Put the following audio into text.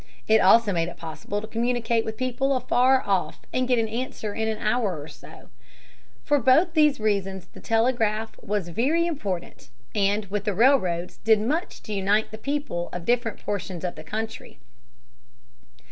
It also made it possible to communicate with people afar off and get an answer in an hour or so. For both these reasons the telegraph was very important and with the railroads did much to unite the people of the different portions of the country.